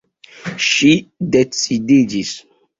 Ŝi decidiĝis.